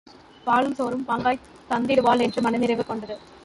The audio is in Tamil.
பாலும் சோறும் பாங்காய்த் தந்திடுவாள் என்று மனநிறைவு கொண்டது.